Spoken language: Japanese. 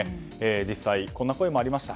実際、こんな声もありました。